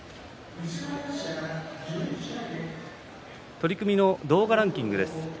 取組の動画ランキングです。